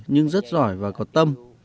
nhưng rất giỏi và có tâm